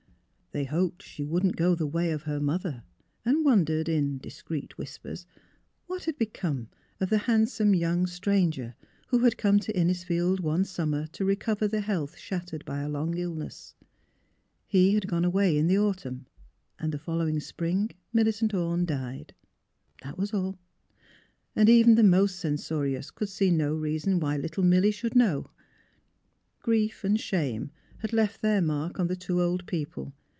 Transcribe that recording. They hoped she wouldn't go the way of her mother, and wondered, in discreet whispers, what had become of the handsome young stranger who had come to Innisfield one summer to recover the health shattered by a long illness. He had gone away in the autumn, and the following spring Mil licent Orne died. That was all. And even the more censorious could see no reason why little Milly should know. Grief and shame had left their mark on the two old people.